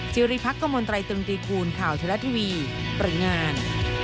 จิริพักษ์กับมตรุงตีกูลข่าวเทลาทีวีปริงาน